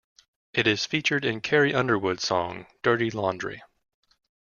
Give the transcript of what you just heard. It is featured in Carrie Underwood's song, "Dirty Laundry".